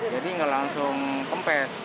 jadi enggak langsung kempes